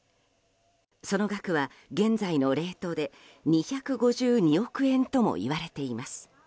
その額は現在のレートで２５２億円ともいわれています。